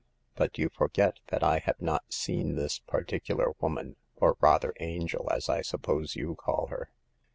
But you forget that I have not seen this particular woman— or rather angel, as I suppose you call her.